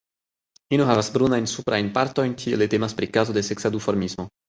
Ino havas brunajn suprajn partojn, tiele temas pri kazo de seksa duformismo.